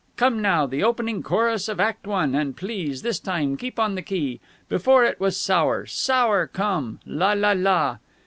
Come now, the opening chorus of Act One, and please this time keep on the key. Before, it was sour, sour Come! La la la...."